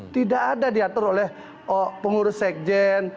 tidak ada diatur oleh pengurus sekjen